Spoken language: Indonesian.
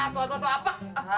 tua tua apa